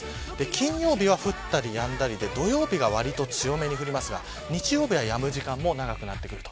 金曜日や降ったりやんだりで土曜日はわりと強めに降りますが日曜日は、やむ時間も長くなってくる。